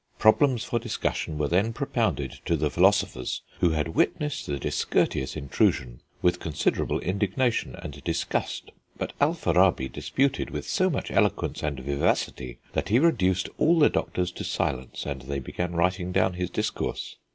Problems for discussion were then propounded to the philosophers, who had witnessed the discourteous intrusion with considerable indignation and disgust, but Alfarabi disputed with so much eloquence and vivacity that he reduced all the doctors to silence, and they began writing down his discourse.